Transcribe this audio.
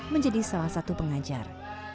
menjadi salah satu pengajar